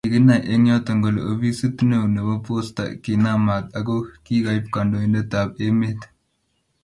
Kiginay eng yoto kole ofisit neo nebo Posta kinam maat ako kigaib kandoindetab emet---